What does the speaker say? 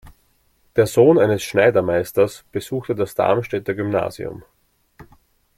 Der Sohn eines Schneidermeisters besuchte das Darmstädter Gymnasium.